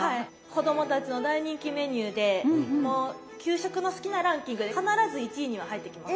子供たちの大人気メニューでもう給食の好きなランキングで必ず１位には入ってきます。